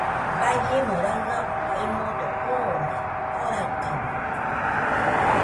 Baiemo raɨafo emodo joone Koraɨkabɨkɨ